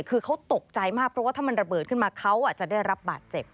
คือเขาตกใจมากเพราะว่าถ้ามันระเบิดขึ้นมาเขาอาจจะได้รับบาดเจ็บ